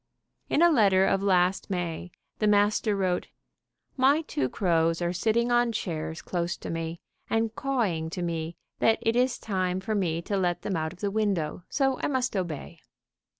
In a letter of last May, the master wrote: "My two crows are sitting on chairs close to me, and cawing to me that it is time for me to let them out of the window, so I must obey."